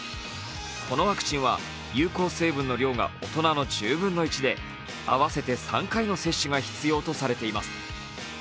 このワクチンは有効成分の量が大人の１０分の１で合わせて３回の接種が必要とされています。